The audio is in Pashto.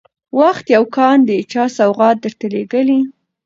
وخت يو كان دى چا سوغات درته لېږلى